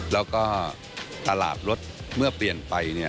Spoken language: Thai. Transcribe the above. แล้วก็ตลาดรถเมื่อเปลี่ยนไป